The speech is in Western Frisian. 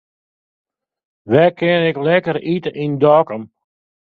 Wêr kin ik lekker ite yn Dokkum?